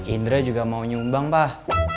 indra juga mau nyumbang pak